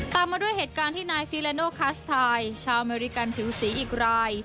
มาด้วยเหตุการณ์ที่นายฟิเลโนคัสทายชาวอเมริกันผิวสีอีกราย